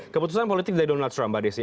keputusan politik dari donald trump mbak desi